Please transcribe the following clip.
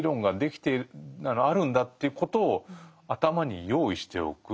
あるんだ」ということを頭に用意しておく。